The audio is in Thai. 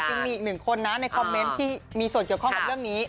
อีกหนึ่งคนนะในคอมเมนต์ที่มีส่วนเกี่ยวข้องกับเรื่องนี้